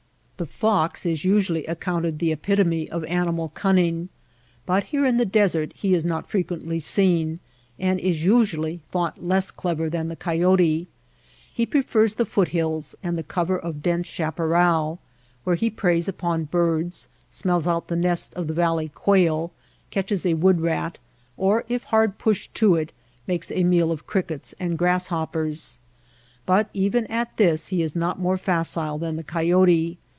The fox is usually accounted the epitome of animal cunning, but here in the desert he is not frequently seen and is usually thought less clever than the coyote. He prefers the foot hills and the cover of dense chaparral where he preys upon birds, smells out the nest of the valley quail^ catches a wood rat 5 or^ if hard DESEET ANIMALS 161 pushed to it, makes a meal of crickets and grass hoppers. But even at this he is not more facile than the coyote.